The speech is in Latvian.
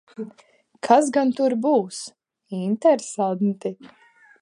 Kas gan tur būs? Interesanti.